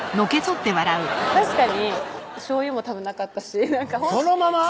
確かにしょうゆもたぶんなかったしなんかそのまま？